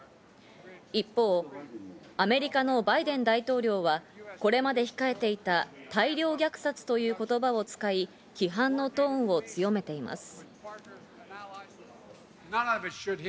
一方、アメリカのバイデン大統領はこれまで控えていた大量虐殺という言葉を使い、批判のトーンを強めています。